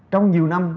trong nhiều năm